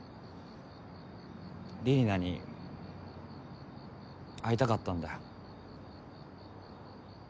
李里奈に会いたかったんだよ。